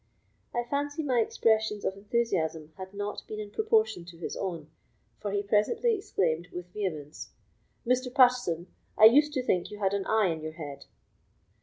I fancy my expressions of enthusiasm had not been in proportion to his own, for he presently exclaimed with vehemence: "Mr. Pattieson, I used to think you had an eye in your head."